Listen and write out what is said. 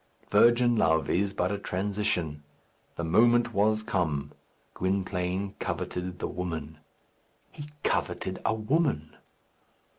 Virgin love is but a transition. The moment was come. Gwynplaine coveted the woman. He coveted a woman!